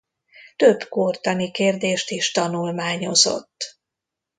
Több kórtani kérdést is tanulmányozott.